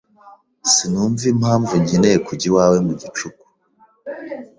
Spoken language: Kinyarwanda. Sinumva impamvu nkeneye kujya iwawe mu gicuku.